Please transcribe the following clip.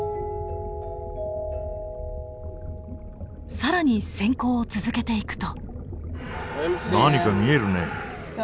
更に潜航を続けていくと。